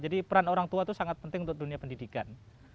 jadi peran orang tua itu sangat penting untuk dunia pendidikan